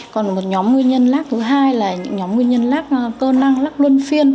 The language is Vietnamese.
còn một nhóm nguyên nhân lát thứ hai là những nhóm nguyên nhân lát cơ năng lát luân phiên